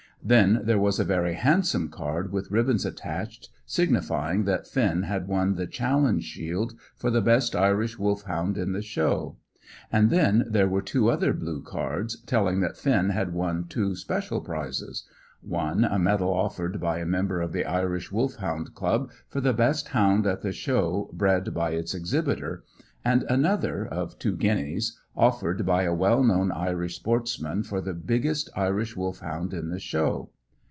Then there was a very handsome card with ribbons attached, signifying that Finn had won the Challenge Shield for the best Irish Wolfhound in the Show. And then there were two other blue cards telling that Finn had won two special prizes; one, a medal offered by a member of the Irish Wolfhound Club for the best hound at the Show bred by its exhibitor; and another, of two guineas, offered by a well known Irish sportsman for the biggest Irish Wolfhound in the Show.